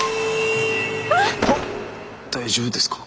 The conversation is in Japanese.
大丈夫ですか？